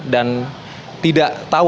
dan tidak tahu apakah itu